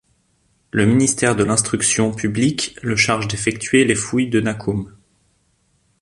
Le ministère de l'Instruction publique le charge d'effectuer les fouilles de Nakum.